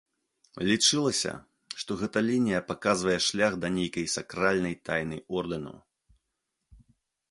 Лічылася, што гэта лінія паказвае шлях да нейкай сакральнай тайны ордэну.